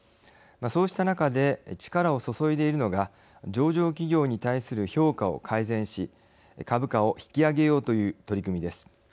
そうした中で力を注いでいるのが上場企業に対する評価を改善し株価を引き上げようという取り組みです。